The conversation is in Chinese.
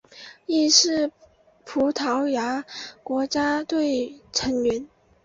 亦曾是葡萄牙国家队成员。